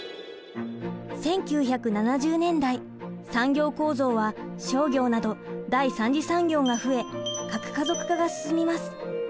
１９７０年代産業構造は商業など第３次産業が増え核家族化が進みます。